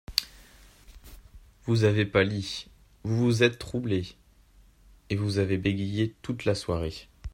Vous avez pâli, vous vous êtes troublé… et vous avez bégayé toute la soirée.